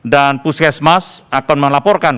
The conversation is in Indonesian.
dan puskesmas akan melaporkan